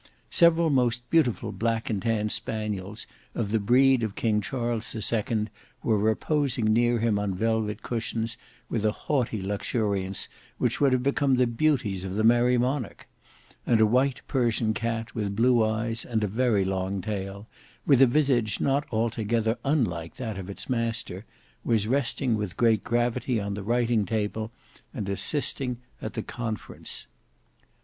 Several most beautiful black and tan spaniels of the breed of King Charles the Second were reposing near him on velvet cushions, with a haughty luxuriousness which would have become the beauties of the merry monarch; and a white Persian cat with blue eyes and a very long tail, with a visage not altogether unlike that of its master, was resting with great gravity on the writing table, and assisting at the conference.